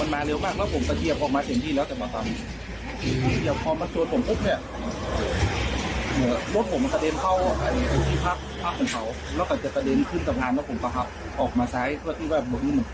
มันลงไปเร็วเลยครับ